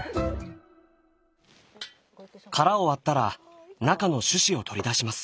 殻を割ったら中の種子を取り出します。